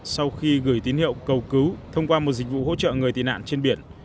sau khi gửi tín hiệu cầu cứu thông qua một dịch vụ hỗ trợ người tị nạn trên biển